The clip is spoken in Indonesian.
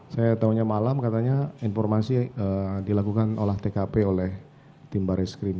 saya tahunya malam katanya informasi dilakukan olah tkp oleh tim baris krim